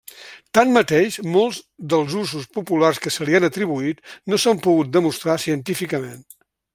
Tanmateix, molts dels usos populars que se li han atribuït no s'han pogut demostrar científicament.